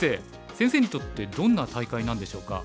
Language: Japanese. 先生にとってどんな大会なんでしょうか？